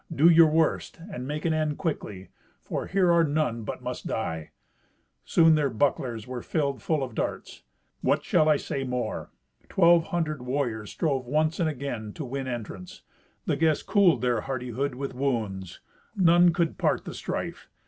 Do your worst, and make an end quickly, for here are none but must die." Soon their bucklers were filled full of darts. What shall I say more? Twelve hundred warriors strove once and again to win entrance. The guests cooled their hardihood with wounds. None could part the strife.